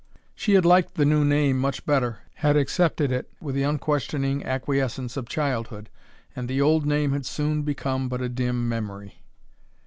She had liked the new name much better, had accepted it with the unquestioning acquiescence of childhood, and the old name had soon become but a dim memory.